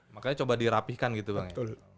makanya coba dirapihkan gitu bang